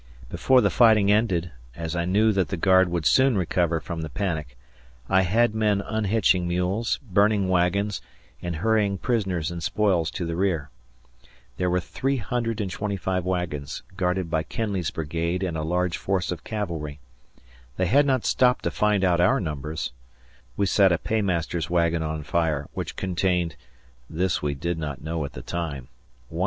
Before the fighting ended, as I knew that the guard would soon recover from the panic, I had men unhitching mules, burning wagons, and hurrying prisoners and spoils to the rear. There were 325 wagons, guarded by Kenly's brigade and a large force of cavalry. They had not stopped to find out our numbers. We set a paymaster's wagon on fire, which contained this we did not know at the time $125,000.